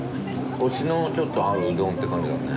コシのちょっとあるうどんって感じだよね。